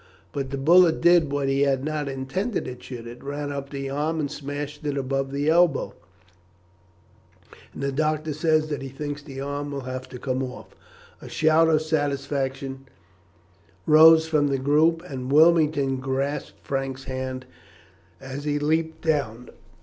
But the bullet did what he had not intended it should ran up the arm and smashed it above the elbow, and the doctor says that he thinks the arm will have to come off." A shout of satisfaction rose from the group, and Wilmington grasped Frank's hand as he leapt down.